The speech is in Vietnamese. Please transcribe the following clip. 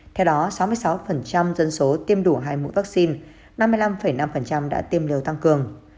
theo đó sáu mươi sáu dân số tiêm đủ hai mũi vaccine năm mươi năm năm đã tiêm liều tăng cường